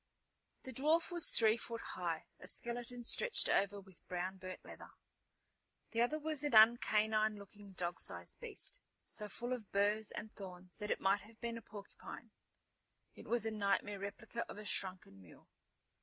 The dwarf was three foot high, a skeleton stretched over with brown burnt leather. The other was an un canine looking dog sized beast, so full of burrs and thorns that it might have been a porcupine. It was a nightmare replica of a shrunken mule.